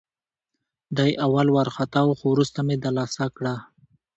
دی اول وارخطا وه، خو وروسته مې دلاسا کړه.